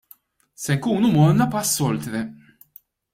Se nkunu morna pass oltre.